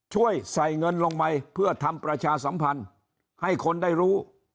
ช่วยใส่เงินลงไปเพื่อทำประชาสัมพันธ์ให้คนได้รู้